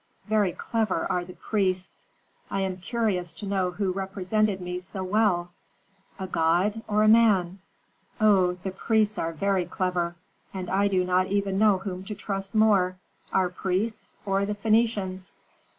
Very clever are the priests! I am curious to know who represented me so well, a god or a man? Oh, the priests are very clever, and I do not know even whom to trust more, our priests or the Phœnicians?